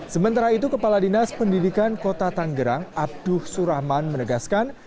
sementara itu kepala dinas pendidikan kota tanggerang abduh surahman menegaskan